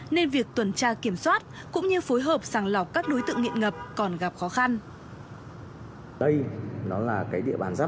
nên việc tuần tra kiểm soát sẽ không thể được xử lý